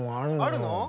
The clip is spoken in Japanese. あるの？